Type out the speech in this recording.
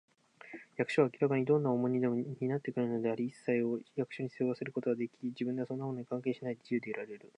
役所は明らかにどんな重荷でも担ってくれているのであり、いっさいを役所に背負わせることができ、自分ではそんなものに関係しないで、自由でいられる